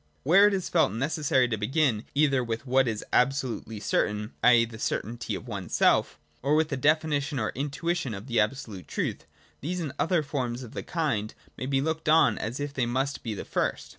Where it is felt necessary to begin either with what is absolutely certain, i.e. the certainty of oneself, or with a definition or intuition of the absolute truth, these and other forms of the kind may be looked on as if they must be the first.